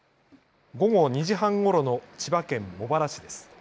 午後２時半ごろの千葉県茂原市です。